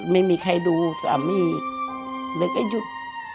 ไม่มีใครดูสามีแล้วก็หยุด